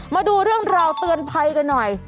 มาดูเรื่องราวเตือนภัยกันหน่อย